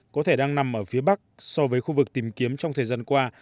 có thể đang nằm ở phía bắc so với khu vực tìm kiếm trong thời gian qua